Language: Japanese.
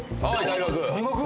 大学？